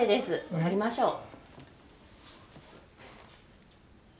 乗りましょう。